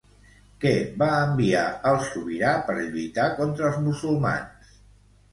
Què va enviar el sobirà per lluitar contra els musulmans?